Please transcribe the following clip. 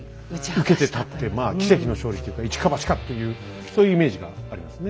受けて立ってまあ奇跡の勝利というか一か八かっていうそういうイメージがありますね。